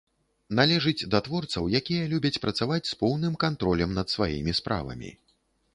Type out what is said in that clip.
Належыць да творцаў, якія любяць працаваць з поўным кантролем над сваімі справамі.